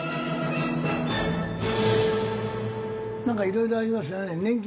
なんかいろいろありましたね。